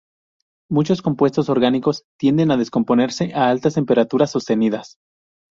Muchos compuestos orgánicos tienden a descomponerse a altas temperaturas sostenidas.